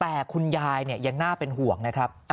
แต่คุณยายยังน่าเป็นห่วงนะครับ